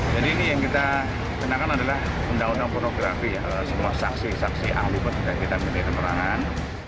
jadi ini yang kita kenakan adalah undang undang pornografi semua saksi saksi anglifer sudah kita menerangkan